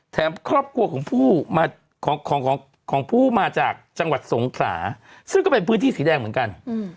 ครอบครัวของผู้มาจากจังหวัดสงขลาซึ่งก็เป็นพื้นที่สีแดงเหมือนกัน